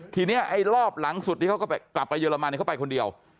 ทีนี้ไอ้รอบหลังสุดที่เขาก็กลับไปเยอรมันเขาไปคนเดียว